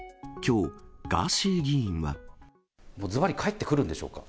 もうずばり帰ってくるんでし